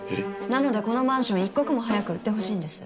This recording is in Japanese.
なのでこのマンション一刻も早く売ってほしいんです。